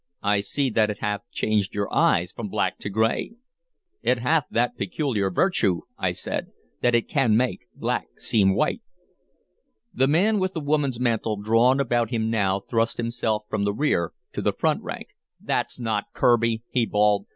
"I see that it hath changed your eyes from black to gray." "It hath that peculiar virtue," I said, "that it can make black seem white." The man with the woman's mantle drawn about him now thrust himself from the rear to the front rank. "That's not Kirby!" he bawled.